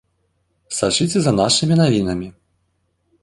Сачыце за нашымі навінамі.